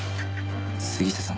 杉下さん